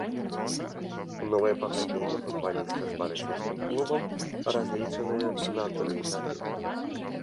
Новае пагадненне футбаліста з барысаўскім клубам разлічанае на тры гады.